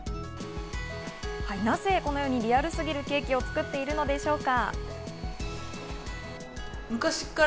なぜこのようにリアルすぎるケーキを作っているのでしょうか？